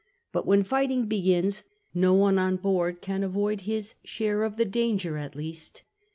But when fighting begins, no one on boat'd can avoid his share of the danger at least.